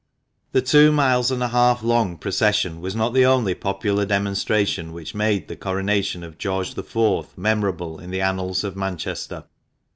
HE two miles and a half long pro cession was not the only popular demonstration which made the Coronation of George IV. memorable in the annals of Manchester.